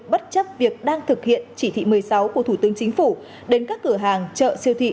bất chấp việc đang thực hiện chỉ thị một mươi sáu của thủ tướng chính phủ đến các cửa hàng chợ siêu thị